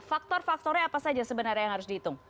faktor faktornya apa saja sebenarnya yang harus dihitung